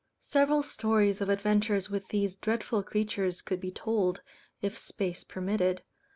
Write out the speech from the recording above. Several stories of adventures with these dreadful creatures could be told, if space permitted.